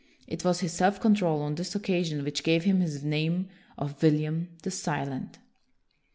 It was his self control on this occasion which gave him his name of William the Silent.